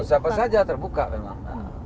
siapa saja terbuka memang